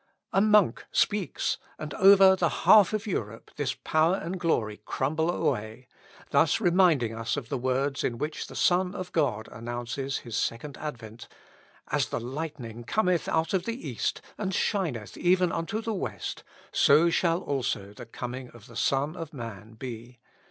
A monk speaks, and over the half of Europe this power and glory crumble away, thus reminding us of the words in which the Son of God announces his second advent: "As the lightning cometh out of the east, and shineth even unto the west, so shall also the coming of the Son of man be."